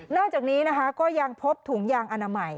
จากนี้นะคะก็ยังพบถุงยางอนามัย